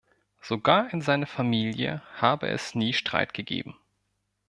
Sogar in seiner Familie habe es nie Streit gegeben.